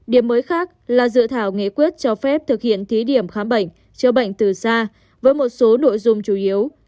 điểm mới khác là dự thảo nghị quyết cho phép thực hiện thí điểm khám bệnh chữa bệnh từ xa với một số nội dung chủ yếu